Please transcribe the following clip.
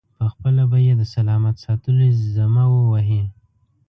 پخپله به یې د سلامت ساتلو ذمه و وهي.